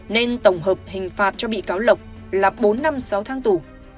nên tổng hợp hình phạt cho bị cáo lộc là bốn năm sáu tháng tù